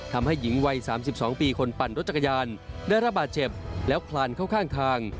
ทำให้หญิงวัย๓๒ปีคนปั่นรถจักรยานได้ระบาดเจ็บแล้วคลานเข้าข้างทาง